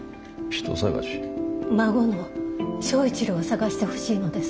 孫の正一郎を探してほしいのです。